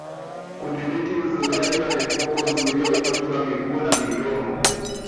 Kudhibiti uzururaji wa mifugo huzuia ugonjwa wa miguu na midomo